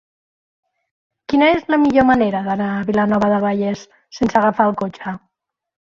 Quina és la millor manera d'anar a Vilanova del Vallès sense agafar el cotxe?